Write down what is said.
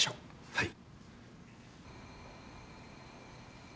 はい。